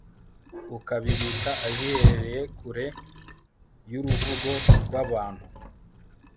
ukabibika ahiherereye, kure y'uruvugo rw'abantu